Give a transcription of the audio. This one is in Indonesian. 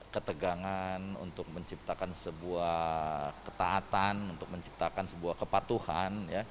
ketegangan untuk menciptakan sebuah ketaatan untuk menciptakan sebuah kepatuhan